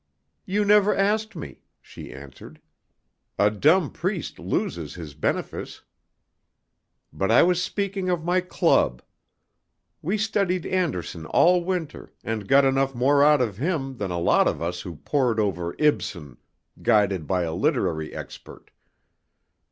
"You never asked me," she answered. "'A dumb priest loses his benefice.' But I was speaking of my club. We studied Andersen all winter, and got enough more out of him than a lot of us who pored over Ibsen, guided by a literary expert.